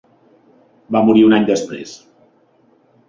Va morir un any després.